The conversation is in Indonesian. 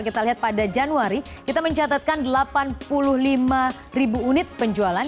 kita lihat pada januari kita mencatatkan delapan puluh lima ribu unit penjualan